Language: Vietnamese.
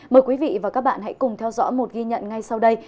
mời quý vị và các bạn hãy cùng theo dõi một ghi nhận ngay sau đây